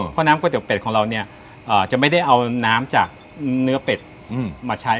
เพราะน้ำก๋วเป็ดของเราเนี่ยจะไม่ได้เอาน้ำจากเนื้อเป็ดมาใช้